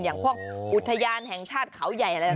อย่างพวกอุทยานแห่งชาติเขาใหญ่อะไรต่าง